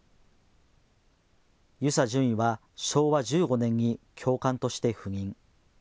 遊佐准尉は昭和１５年に教官として赴任。